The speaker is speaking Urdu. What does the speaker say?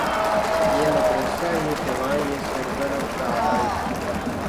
یہ مدرسہ یہ جواں یہ سرور و رعنائی